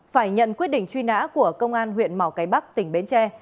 phải nhận quyết định truy nã của công an huyện mỏ cái bắc tỉnh bến tre